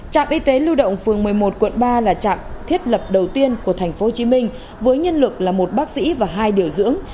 trạm y tế lưu động phường một mươi một quận ba là trạm thiết lập đầu tiên của tp hcm với nhân lực là một bác sĩ và hai điều dưỡng